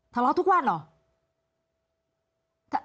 ทะเลาะทุกวันเหรอ